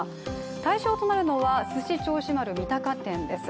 対象となるのはすし銚子丸三鷹店です。